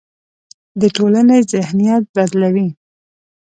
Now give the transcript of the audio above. د ټولنې ذهنیت بدلوي.